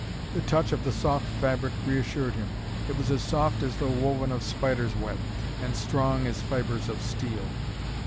The touch of the soft fabric reassured him: it was as soft as though woven of spider's web, and strong as fibres of steel.